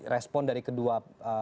respon dari kedua